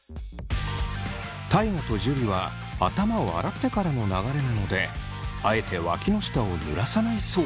大我と樹は頭を洗ってからの流れなのであえてわきの下をぬらさないそう。